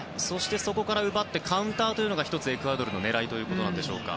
そこから奪ってカウンターというのが１つエクアドルの狙いということなんでしょうか。